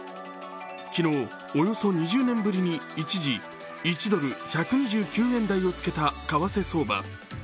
昨日、およそ２０年ぶりに一時１ドル＝１２９円台をつけた為替相場。